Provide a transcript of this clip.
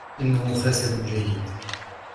إنه خاسر جيد